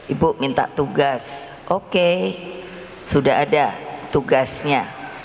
ibu minta tugas oke sudah ada tugasnya